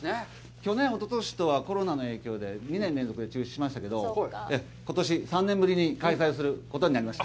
去年、おととしは、コロナの影響で、２年連続で中止しましたけど、ことし、３年ぶりに開催することになりました。